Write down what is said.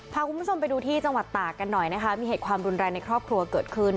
พาคุณผู้ชมไปดูที่จังหวัดตากกันหน่อยนะคะมีเหตุความรุนแรงในครอบครัวเกิดขึ้น